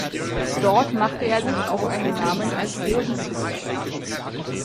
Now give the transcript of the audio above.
Dort machte er sich auch einen Namen als Rosenzüchter.